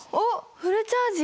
フルチャージだ！